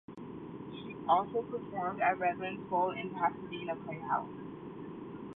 She also performed at Redlands Bowl and Pasadena Playhouse.